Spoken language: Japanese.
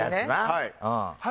はい。